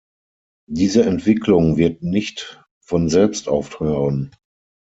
Diese Entwicklung wird nicht von selbst aufhören.